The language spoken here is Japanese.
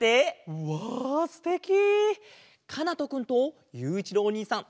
うわすてき！かなとくんとゆういちろうおにいさん